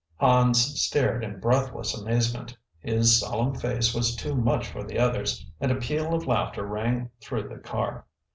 Hans stared in breathless amazement. His solemn face was too much for the others, and a peal of laughter rang through the car.